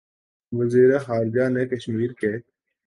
وزیر خارجہ نے کشمیر کے